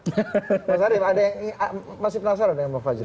mas arief masih penasaran dengan pak fajro